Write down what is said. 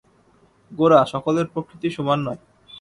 গোরা, সকলের প্রকৃতি সমান নয়।